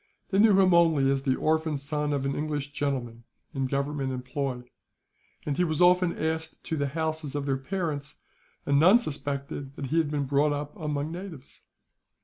They knew him only as the orphan son of an English gentleman, in Government employ; and he was often asked to the houses of their parents, and none suspected that he had been brought up among natives.